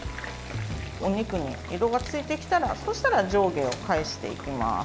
お肉に色がついてきたらそうしたら上下を返していきます。